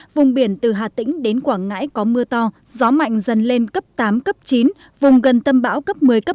vùng biển từ hà tĩnh đến quảng ngãi có mưa to gió mạnh dần lên cấp tám chín vùng gần tâm bão cấp một mươi một mươi một